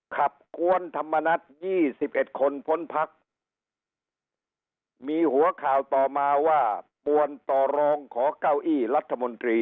ขับกวนธรรมนัฐยี่สิบเอ็ดคนพ้นพักมีหัวข่าวต่อมาว่าปวนต่อรองขอเก้าอี้รัฐมนตรี